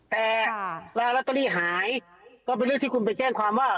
แต่ลอตเตอรี่หายก็เป็นเรื่องที่คุณไปแจ้งความว่า